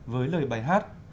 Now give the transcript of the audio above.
với lời bài hát